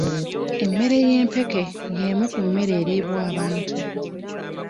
Emmere ey'empeke y'emu ku mmere eriibwa abantu.